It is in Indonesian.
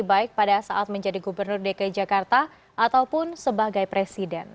baik pada saat menjadi gubernur dki jakarta ataupun sebagai presiden